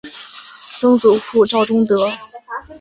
曾祖父赵仲德。